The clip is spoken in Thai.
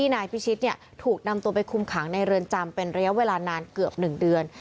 และนี่เนียะถูกนำไปคุ้มขังในเรือนจำเป็นลิ้วเวลานานเกือบ๑เดือน